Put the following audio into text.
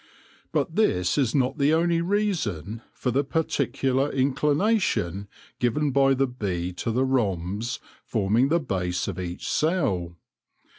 But this is not the only reason for the par ticular inclination given by the bee to the rhombs forming the base of each cell.